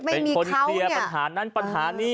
เป็นเขาเตรียมปัญหานั้นปัญหานี้